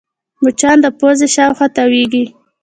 مچان د پوزې شاوخوا تاوېږي